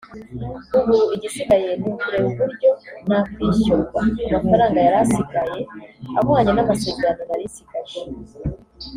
ubu igisigaye ni ukureba uburyo nakwishyurwa amafaranga yari asigaye ahwanye n’amasezerano nari nsigaje